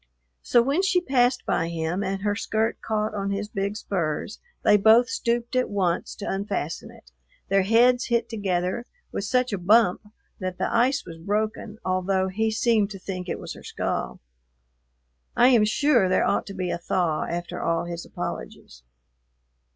So when she passed by him and her skirt caught on his big spurs they both stooped at once to unfasten it; their heads hit together with such a bump that the ice was broken, although he seemed to think it was her skull. I am sure there ought to be a thaw after all his apologies.